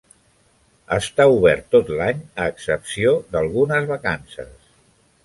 Està obert tot l'any a excepció d'algunes vacances.